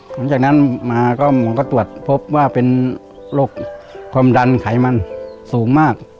หลังจากนั้นมาก็หมอก็ตรวจพบว่าเป็นโรคความดันไขมันสูงมาก